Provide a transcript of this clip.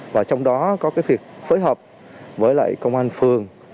và trong đó có cái việc phối hợp với lại công an phường